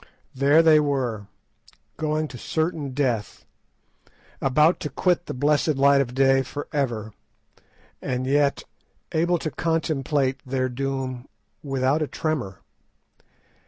There they were—going to certain death, about to quit the blessed light of day for ever, and yet able to contemplate their doom without a tremor.